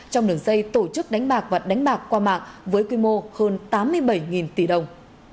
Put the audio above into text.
trong đường dây tổ chức đánh bạc và đánh bạc qua mạng với quy mô hơn tám mươi bảy tỷ đồng